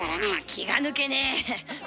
気が抜けねえ。